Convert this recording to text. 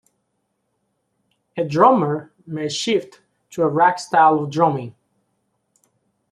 A drummer may shift to a rock style of drumming.